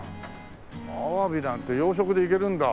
アワビなんて養殖できるんだ。